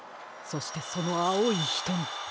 そしてそのあおいひとみ。